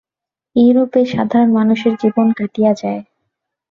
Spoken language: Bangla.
এইরূপেই সাধারণ মানুষের জীবন কাটিয়া যায়।